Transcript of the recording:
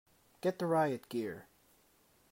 Get the riot gear!